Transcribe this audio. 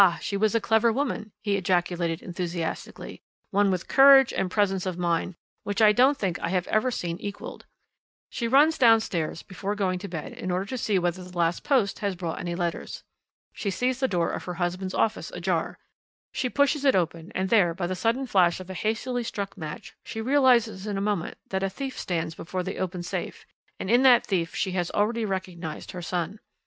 she was a clever woman," he ejaculated enthusiastically, "one with courage and presence of mind, which I don't think I have ever seen equalled. She runs downstairs before going to bed in order to see whether the last post has brought any letters. She sees the door of her husband's office ajar, she pushes it open, and there, by the sudden flash of a hastily struck match she realizes in a moment that a thief stands before the open safe, and in that thief she has already recognized her son.